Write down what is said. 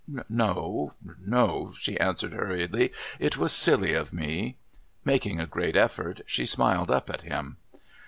"No no," she answered hurriedly. "It was silly of me " Making a great effort, she smiled up at him.